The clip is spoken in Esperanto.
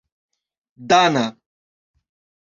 dana